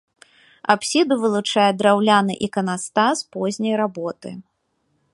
Апсіду вылучае драўляны іканастас позняй работы.